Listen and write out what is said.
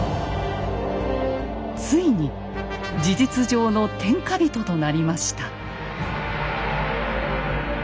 ついに事実上の天下人となりました。